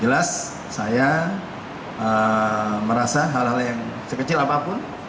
jelas saya merasa hal hal yang sekecil apapun